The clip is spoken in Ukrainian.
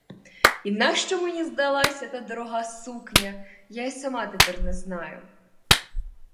І нащо мені здалася та дорога сукня, я й сама тепер не знаю!